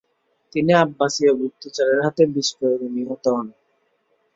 তিনি আব্বাসীয় গুপ্তচরের হাতে বিষপ্রয়োগে নিহত হন।